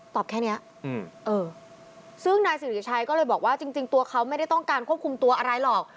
แค่นี้ซึ่งนายสิริชัยก็เลยบอกว่าจริงตัวเขาไม่ได้ต้องการควบคุมตัวอะไรหรอก